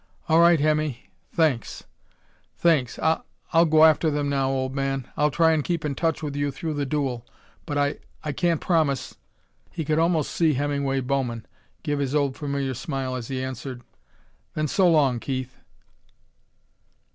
"All right, Hemmy. Thanks. Thanks. I I'll go after them now, old man. I'll try and keep in touch with you through the duel, but I I can't promise " He could almost see Hemingway Bowman give his old familiar smile as he answered: "Then so long, Keith!"